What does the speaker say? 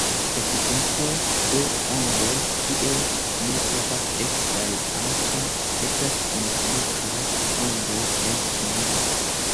Ekzemplo de ondoj kie ne povas esti varianco estas mekanikaj ondoj en ŝnuro.